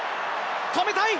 止めたい！